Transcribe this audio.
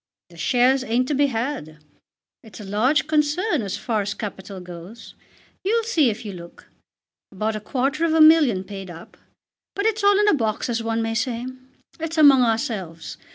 The shares ain't to be had. It's a large concern as far as capital goes. You'll see if you look. About a quarter of a million paid up. But it's all in a box as one may say. It's among ourselves.